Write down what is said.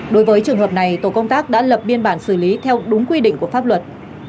đối với trường hợp này tổ công tác đã lập biên bản xử lý theo đúng quy định của pháp luật